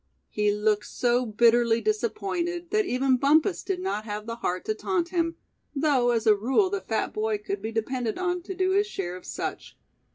He looked so bitterly disappointed that even Bumpus did not have the heart to taunt him; though as a rule the fat boy could be depended on to do his share of such.